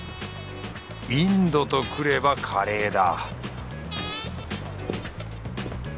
インドと来ればカレーだ